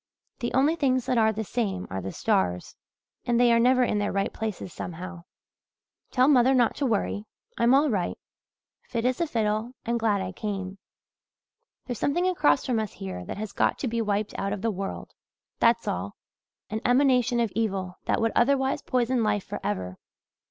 The only things that are the same are the stars and they are never in their right places, somehow. "Tell mother not to worry I'm all right fit as a fiddle and glad I came. There's something across from us here that has got to be wiped out of the world, that's all an emanation of evil that would otherwise poison life for ever.